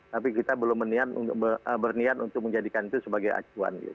tapi kita belum berniat untuk menjadikan itu sebagai acuan